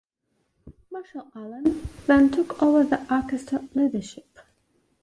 Marshall Allen then took over the Arkestra leadership.